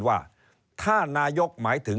เริ่มตั้งแต่หาเสียงสมัครลง